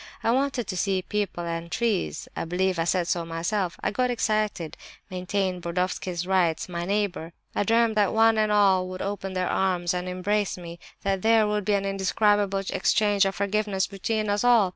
I wanted to see people and trees (I believe I said so myself), I got excited, I maintained Burdovsky's rights, 'my neighbour!'—I dreamt that one and all would open their arms, and embrace me, that there would be an indescribable exchange of forgiveness between us all!